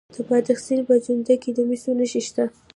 د بادغیس په جوند کې د مسو نښې شته.